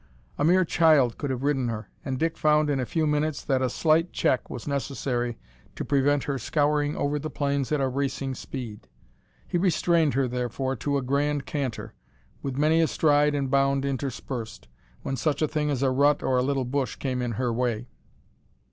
A mere child could have ridden her, and Dick found in a few minutes that a slight check was necessary to prevent her scouring over the plains at racing speed. He restrained her, therefore, to a grand canter, with many a stride and bound interspersed, when such a thing as a rut or a little bush came in her way.